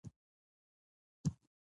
تر څو چې د پانګوالي نظام موجود وي